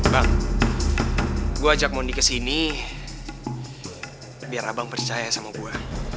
bang gue ajak mondi kesini biar abang percaya sama gue